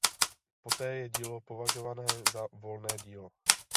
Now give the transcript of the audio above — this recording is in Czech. Poté je dílo považované za volné dílo.